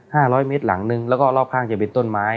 ร้อยเมตรหลังนึงแล้วก็รอบข้างจะเป็นต้นไม้